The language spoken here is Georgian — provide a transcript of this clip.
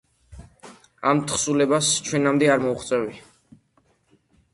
ამ თხზულებას ჩვენამდე არ მოუღწევია.